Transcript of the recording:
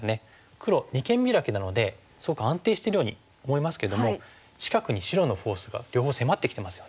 黒二間ビラキなのですごく安定してるように思いますけども近くに白のフォースが両方迫ってきてますよね。